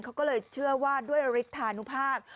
เขาก็เลยเชื่อว่าด้วยฤทธานุภาพ